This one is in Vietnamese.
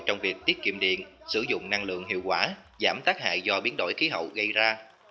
trong việc tiết kiệm điện sử dụng năng lượng hiệu quả giảm tác hại do biến đổi khí hậu gây ra